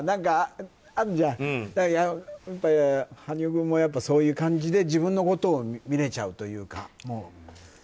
羽生君もやっぱりそういう感じで自分のことを見れちゃうというか。